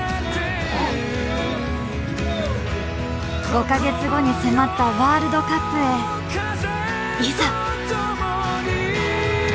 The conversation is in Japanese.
５か月後に迫ったワールドカップへいざ。